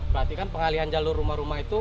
berarti kan pengalian jalur rumah rumah itu